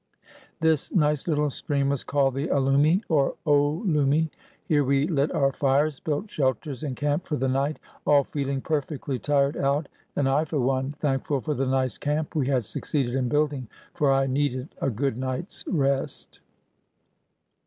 This nice little stream was called the Aloumy or Oloumy. Here we lit our fires, built shelters, and camped for the night, all feeling perfectly tired out, and I, for one, thankful for the nice camp we had succeeded in building, for I needed a good night's rest.